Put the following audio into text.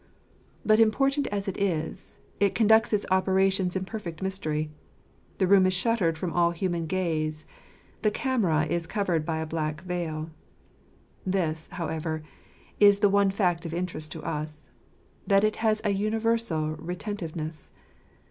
But important as it is, it conducts its operations in perfect mystery. The room is shuttered from all human gaze; the camera is covered by a black veil. This, however, is the one fact of interest to us —that it has a universal retentiveness.